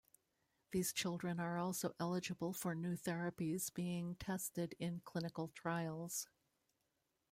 These children are also eligible for new therapies being tested in clinical trials.